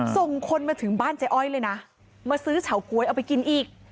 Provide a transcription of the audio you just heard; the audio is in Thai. ส่งคนมาถึงบ้านเจ๊อ้อยเลยนะมาซื้อเฉาก๊วยเอาไปกินอีก